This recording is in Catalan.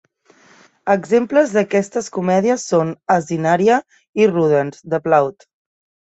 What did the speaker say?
Exemples d'aquestes comèdies són "Asinaria" i "Rudens", de Plaute.